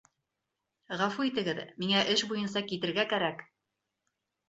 Ғәфү итегеҙ, миңә эш буйынса китергә кәрәк...